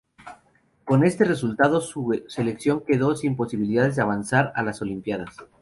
Con este resultado, su selección quedó sin posibilidades de avanzar a las Olimpiadas.